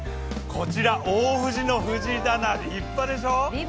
こちら大藤の藤棚、立派でしょう。